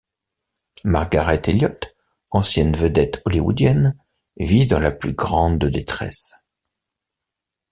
Margaret Elliot, ancienne vedette hollywoodienne, vit dans la plus grande détresse.